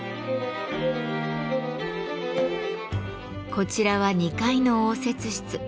こちらは２階の応接室。